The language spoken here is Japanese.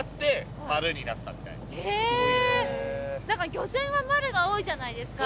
漁船は「丸」が多いじゃないですか。